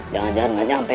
jangan jangan gak nyampe